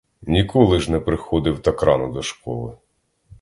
Ніколи ж не приходив так рано до школи!